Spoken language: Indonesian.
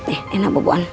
eh enak boboan